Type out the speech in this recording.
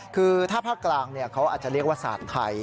คือถ้าภาคกลางเขาอาจจะเรียกว่าศาสตร์ไทย